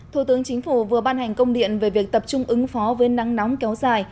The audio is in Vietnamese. thủ tướng chính phủ vừa ban hành công điện về việc tập trung ứng phó với nắng nóng kéo dài